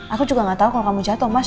aku juga gak tahu kalau kamu jatuh mas